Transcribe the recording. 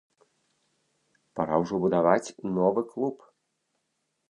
Пара ўжо будаваць новы клуб.